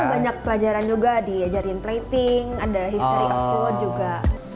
banyak pelajaran juga diajarin plating ada history offout juga